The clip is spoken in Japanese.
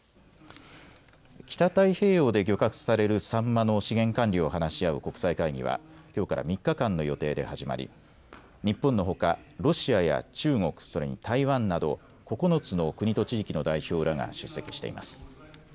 北太平洋で漁獲されるサンマの資源管理を話し合う国際会議はきょうから３日間の予定で始まり、日本のほかロシアや中国、それに台湾など９つの国と地域の代表らが出席しています。